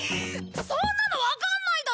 そんなのわかんないだろ！